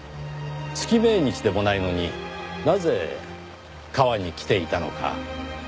月命日でもないのになぜ川に来ていたのか？